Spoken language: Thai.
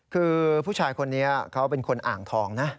คือผู้ชายคนนี้เขาเป็นคนอ่างทองนะ